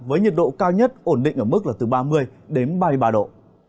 với nhiệt độ cao nhất ổn định ở mức là từ ba mươi đến ba mươi ba độ